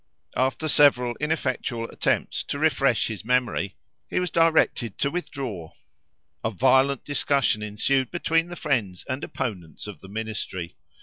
After several ineffectual attempts to refresh his memory, he was directed to withdraw. A violent discussion ensued between the friends and opponents of the ministry.